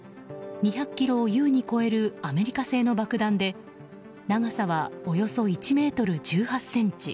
２００ｋｇを優に超えるアメリカ製の爆弾で長さは、およそ１ｍ１８ｃｍ。